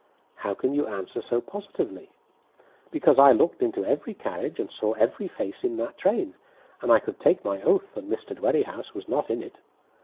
"How can you answer so positively?" "Because I looked into every carriage and saw every face in that train, and I could take my oath that Mr. Dwerrihouse was not in it.